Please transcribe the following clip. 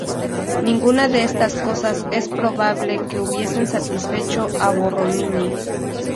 Ninguna de estas cosas es probable que hubiesen satisfecho a Borromini.